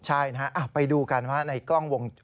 ใช่นะฮะไปดูกันว่าในกล้องวงจร